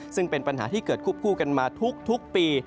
ซึ่งเป็นปัญหาที่เกิดควบคู่กันมาทุกปี